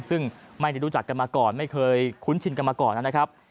ซึ่งไม่ได้รู้จักกันมาก่อนไม่เคยคุ้นชินกันมาก่อนนะครับ